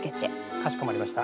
かしこまりました。